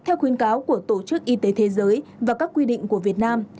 theo khuyến cáo của tổ chức y tế thế giới và các quy định của việt nam